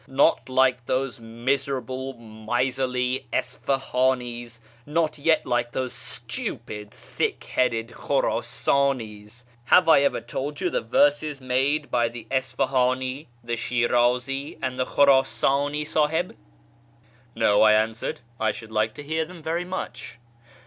Not like those miserable, miserly Isfahanis, nor yet like those stupid, thick headed Khurasanis. Have I ever told you the verses made by the Isfahan!, the Shirazi, and the Khurasani, S;ihib ?"" No," I answered ;" I sliould like to hear them very much."